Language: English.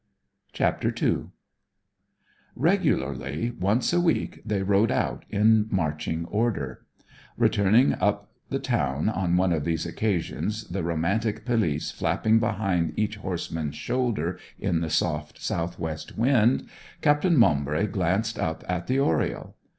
CHAPTER II Regularly once a week they rode out in marching order. Returning up the town on one of these occasions, the romantic pelisse flapping behind each horseman's shoulder in the soft south west wind, Captain Maumbry glanced up at the oriel.